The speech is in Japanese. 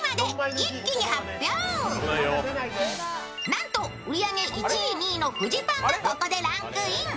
なんと、売り上げ１位、２位のフジパンがここでランクイン。